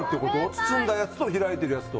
包んだやつと開いてるやつと。